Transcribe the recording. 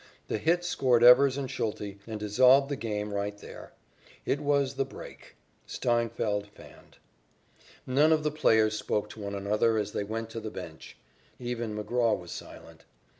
The hit scored Evers and Schulte and dissolved the game right there. It was the "break." Steinfeldt fanned. None of the players spoke to one another as they went to the bench. Even McGraw was silent.